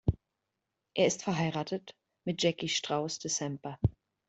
Er ist verheiratet mit Jacky Strauss de Samper.